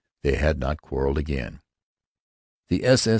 They had not quarreled again. The S.S.